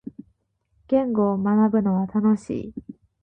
言語を学ぶのは楽しい。